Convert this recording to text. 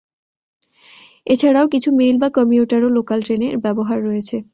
এছাড়াও কিছু মেইল/কমিউটার ও লোকাল ট্রেনে এর ব্যবহার রয়েছে।